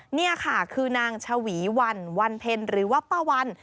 นี่ค่ะคือนางชวีวันวันเพ็ญหรือว่าป้าวัน